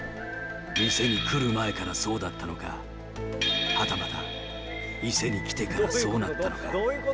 店に来る前からそうだったのか、はたまた店に来てからそうなったのか。